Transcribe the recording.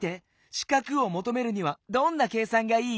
四角をもとめるにはどんな計算がいい？